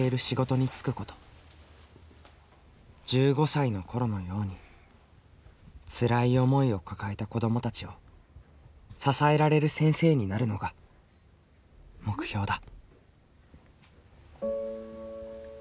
１５歳のころのようにつらい思いを抱えた子どもたちを支えられる先生になるのが目標だ。